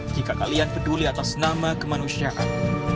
jika kalian peduli atas nama kemanusiaan